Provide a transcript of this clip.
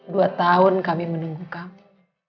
dua tahun kami menunggu kami